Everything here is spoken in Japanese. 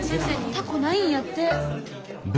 タコないんやって。